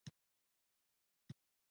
د احمد شتون د ټولې کورنۍ لپاره سیوری دی.